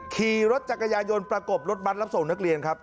ขี่รถจักรยายนประกบรถบัตรรับส่งนักเรียนครับ